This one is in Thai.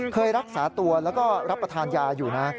เคยรักษาตัวแล้วก็รับประทานยาอยู่นะ